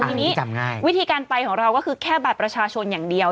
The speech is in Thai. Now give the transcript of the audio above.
ทีนี้วิธีการไปของเราก็คือแค่บัตรประชาชนอย่างเดียว